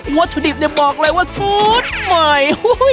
วัตถุดิบเนี่ยบอกเลยว่าสูตรใหม่